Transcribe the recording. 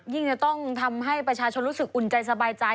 จะต้องทำให้ประชาชนรู้สึกอุ่นใจสบายใจ